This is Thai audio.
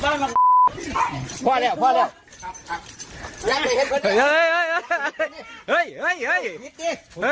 อันนี้